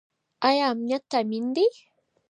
ايا امنيت تامين دی؟